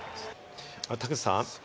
田口さん